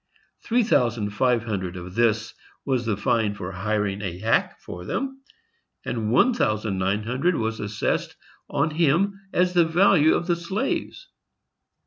Three thousand five hundred of this was the fine for hiring a hack for them, and one thousand nine hundred was assessed on him as the value of the slaves!